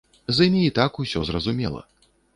З ім і так усё зразумела.